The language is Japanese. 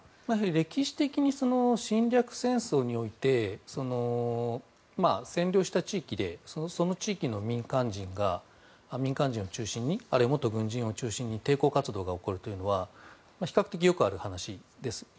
歴史的に侵略戦争において占領した地域でその地域の民間人を中心にあるいは元軍人を中心に抵抗活動が起こるというのは比較的よくある話です。